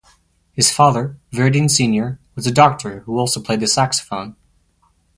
His father, Verdine Senior was a doctor who also played the saxophone.